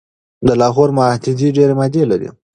د لاهور معاهده ډیري مادي لري.